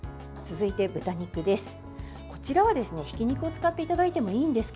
続いて豚肉です。